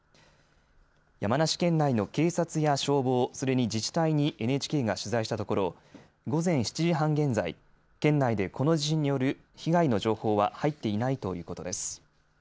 山梨県内の警察や消防、それに自治体にＮＨＫが取材したところ、午前７時半現在、県内でこの地震による被害の情報は入っていないということです。